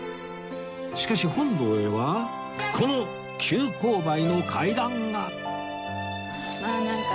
しかし本堂へはこの急勾配の階段がわあなんか。